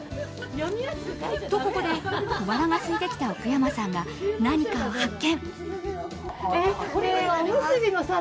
と、ここで小腹がすいてきた奥山さんが何かを発見。